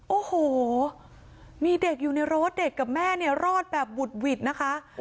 โอ้โหมีเด็กอยู่ในรถเด็กกับแม่เนี่ยรอดแบบบุดหวิดนะคะ